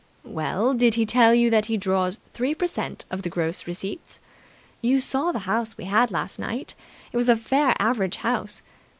"Well, did he tell you that he draws three per cent of the gross receipts? You saw the house we had last night. It was a fair average house.